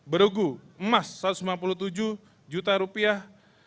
beregu emas satu ratus lima puluh tujuh juta rupiah